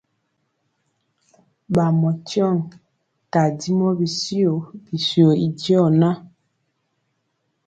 Bamɔ tyeoŋg tadimɔ bityio bityio y diɔ na.